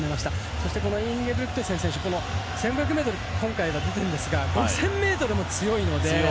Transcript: そしてインゲブリクトセン選手１５００ｍで今回、出ているんですが５０００ｍも強いので。